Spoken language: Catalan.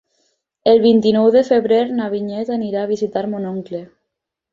El vint-i-nou de febrer na Vinyet anirà a visitar mon oncle.